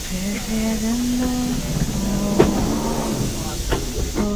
孙女诵琴嫁端亲王载漪之孙毓运。